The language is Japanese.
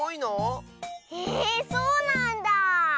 へえそうなんだ。